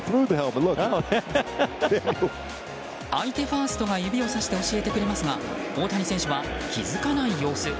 相手ファーストが指をさして教えてくれますが大谷選手は気づかない様子。